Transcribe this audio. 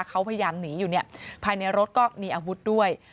เขาพยายามหนีอยู่เนี่ยภายในรถก็มีอาวุธด้วย